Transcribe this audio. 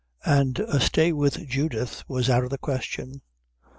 And a stay with Judith was out of the question.